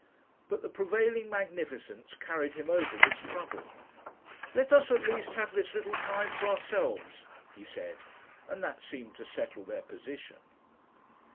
But the prevailing magnificence carried him over this trouble. "Let us at least have this little time for ourselves," he said, and that seemed to settle their position.